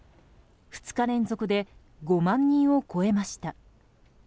２日連続で５万人を超えました。